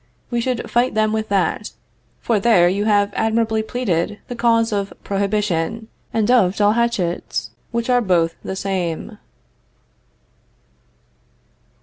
We should fight them with that, for there you have admirably pleaded the cause of prohibition, and of dull hatchets, which are both the same.